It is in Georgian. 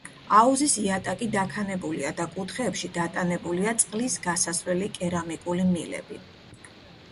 აუზის იატაკი დაქანებულია და კუთხეებში დატანებულია წყლის გასასვლელი კერამიკული მილები.